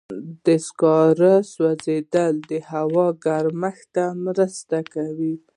د سکرو سوځېدل د هوا ګرمښت ته مرسته کوي.